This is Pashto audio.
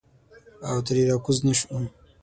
او ترې راکوز نه شو.